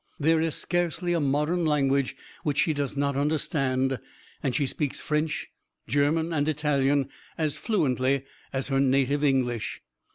There is scarcely a modern language which she does not understand, and she speaks French, German and Italian as fluently as her native English.